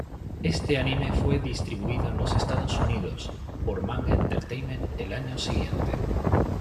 Este anime fue distribuido en los Estados Unidos por Manga Entertainment el año siguiente.